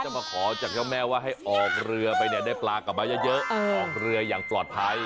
มาขอจากเจ้าแม่ว่าให้ออกเรือไปเนี่ยได้ปลากลับมาเยอะออกเรืออย่างปลอดภัย